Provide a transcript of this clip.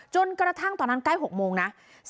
จนกระทั่งตอนนั้นใกล้๖โมงนะ